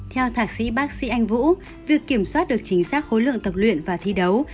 theo thạc sĩ bác sĩ anh vũ việc kiểm soát được chính xác khối lượng tập luyện và thi đấu